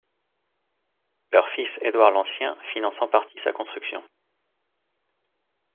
Leur fils Édouard l'Ancien finance en partie sa construction.